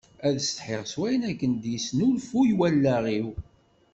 Ad setḥiɣ s wayen akken d-yesnlfuy wallaɣ-iw.